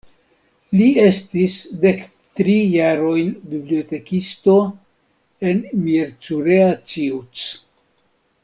Li estis dektri jarojn bibliotekisto en Miercurea Ciuc.